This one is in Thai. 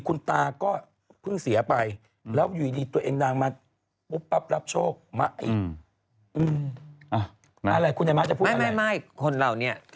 คุณตาก็เพิ่งเสียไปแล้วอยู่อยากนี้ตัวเองนางรับโชคมาอีก